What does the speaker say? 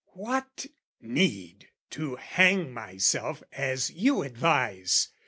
"What need to hang myself as you advise?